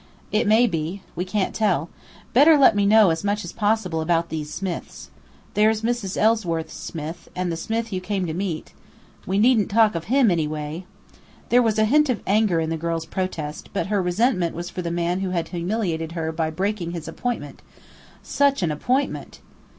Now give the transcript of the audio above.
"It may be. We can't tell. Better let me know as much as possible about these Smiths. There's Mrs. Ellsworth's Smith, and the Smith you came to meet " "We needn't talk of him, anyway!" There was a hint of anger in the girl's protest; but her resentment was for the man who had humiliated her by breaking his appointment such an appointment!